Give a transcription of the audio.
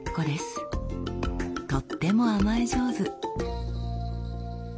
とっても甘え上手。